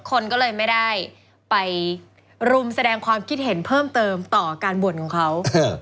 คนก็เลยไม่ได้ไปรุมแสดงความคิดเห็นเพิ่มเติมต่อการบ่นของเขา